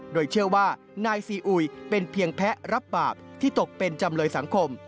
โดยเชื่อว่านายซีอุยเป็นเพียงแพ้รับบาปที่ตกเป็นจำเลยสังคม